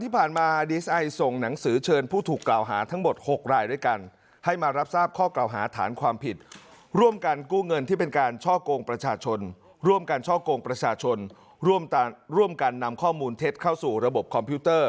พี่นักข่าวทุกคนก็จะได้ฟัง